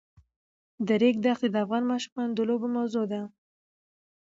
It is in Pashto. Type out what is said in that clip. د ریګ دښتې د افغان ماشومانو د لوبو موضوع ده.